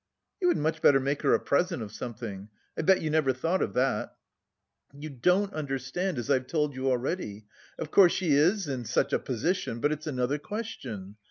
"You had much better make her a present of something. I bet you never thought of that." "You don't understand, as I've told you already! Of course, she is in such a position, but it's another question.